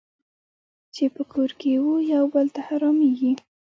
چې په کور کې وو یو بل ته حرامېږي.